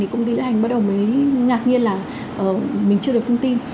thì công ty lữ hành bắt đầu mới ngạc nhiên là mình chưa được công ty